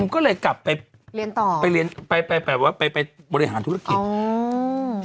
ก็เลยกลับไปไปบริหารธุรกิจ